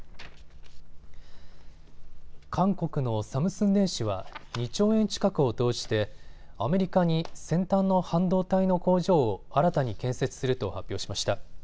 韓国のサムスン電子は２兆円近くを投じてアメリカに先端の半導体の工場を新たに建設すると発表しました。